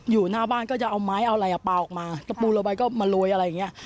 อยู่หน้าบ้านก็จะเอาไม้เอาอะไรอ่ะปลาออกมาตะปูลงไปก็มาโรยอะไรอย่างเงี้ย